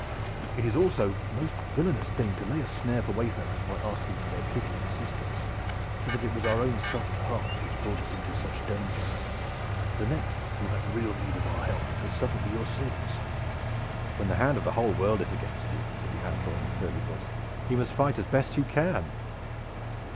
It is also a most villainous thing to lay a snare for wayfarers by asking for their pity and assistance, so that it was our own soft hearts which brought us into such danger. The next who hath real need of our help may suffer for your sins." "When the hand of the whole world is against you," said the outlaw in a surly voice, "you must fight as best you can."